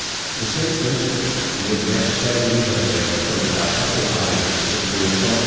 The same principle would necessarily have led from the da capo aria to the freer * SeelaG.